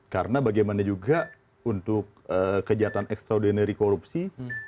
karena bagaimana juga untuk kejahatan extraordinary korupsi